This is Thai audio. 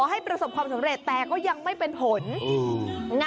ให้ประสบความสำเร็จแต่ก็ยังไม่เป็นผล